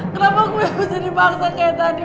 kenapa gue harus dibaksa kayak tadi